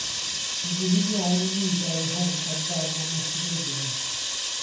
Nid yw hi'n iawn i mi dalu rhent am ddarn o'm etifeddiaeth.